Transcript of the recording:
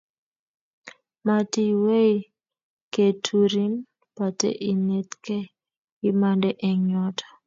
Matiywei keturin pate inetkei imande eng yoto